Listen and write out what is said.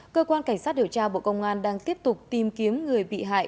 cơ quan cảnh sát điều tra bộ công an đang tiếp tục tìm kiếm người bị hại